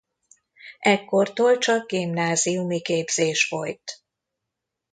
Ekkortól csak gimnáziumi képzés folyt.